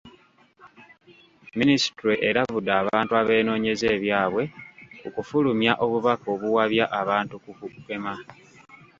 Minisitule erabudde abantu abeenoonyeza ebyabwe ku kufulumya obubaka obuwabya abantu ku kugema.